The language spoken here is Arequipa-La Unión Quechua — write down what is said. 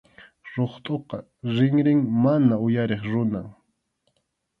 Ruqtʼuqa rinrin mana uyariq runam.